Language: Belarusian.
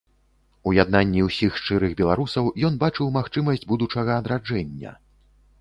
У яднанні ўсіх шчырых беларусаў ён бачыў магчымасць будучага адраджэння.